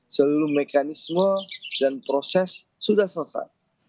seluruh mekanisme dan proses sudah selesai